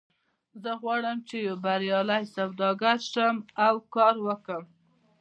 زه غواړم چې یو بریالی سوداګر شم او کار وکړم